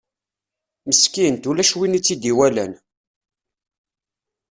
Meskint, ulac win i tt-id-iwalan.